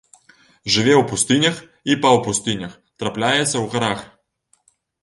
Жыве ў пустынях і паўпустынях, трапляецца ў гарах.